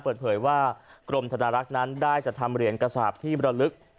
เปิดเผยว่ากรมธนารักษ์นั้นได้จัดทำเหรียญกระสาปที่บรรลึก